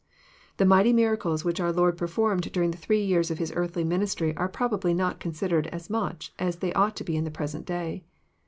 The mighty miracles which our Lord performed during the three years of His earthly ministry are probably not considered as much as they ought to be in the present day.